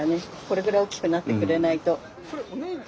これぐらい大きくなってくれないと。